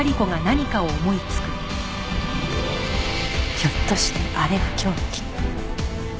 ひょっとしてあれが凶器。